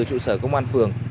trụ sở công an phường